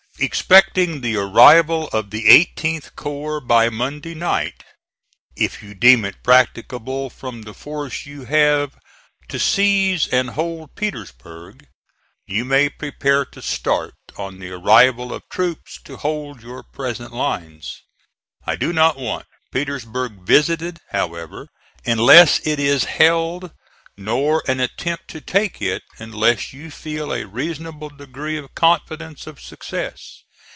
Expecting the arrival of the 18th corps by Monday night, if you deem it practicable from the force you have to seize and hold Petersburg, you may prepare to start, on the arrival of troops to hold your present lines. I do not want Petersburg visited, however, unless it is held, nor an attempt to take it, unless you feel a reasonable degree of confidence of success.